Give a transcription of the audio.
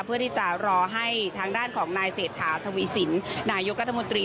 เพื่อที่จะรอให้ทางด้านของนายเศรษฐาทวีสินนายกรัฐมนตรี